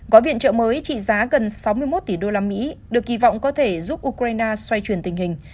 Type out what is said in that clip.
gói viện trợ mới trị giá gần sáu mươi một tỷ usd được kỳ vọng có thể giúp ukraine xoay truyền tình hình